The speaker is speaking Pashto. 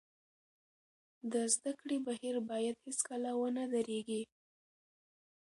د زده کړې بهیر باید هېڅکله ونه درېږي.